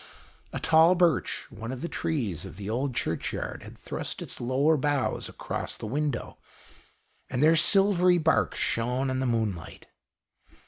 A tall birch, one of the trees of the old Churchyard, had thrust its lower boughs across the window, and their silvery bark shone in the moonlight.